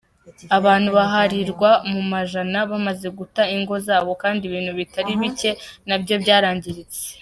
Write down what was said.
Abantu baharirwa mu majana bamaze guta ingo zabo kandi ibintu bitari bike nabyo byarangiritse.